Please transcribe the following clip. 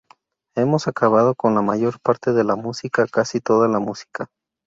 Hemos acabado con la mayor parte de la música, casi toda la música.